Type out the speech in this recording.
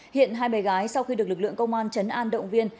hiện hai bé gái sau khi được lực lượng công an trấn an động viên